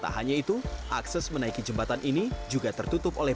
tak hanya itu akses menaiki jembatan ini juga tertutup oleh